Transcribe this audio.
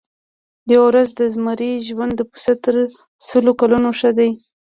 یوه ورځ د زمري ژوند د پسه تر سلو کلونو ښه دی.